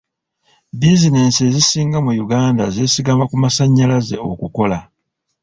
Bizinensi ezisinga mu Uganda zesigama ku masannyalaze okukola.